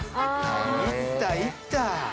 行った行った。